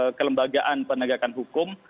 struktur kelembagaan penegakan hukum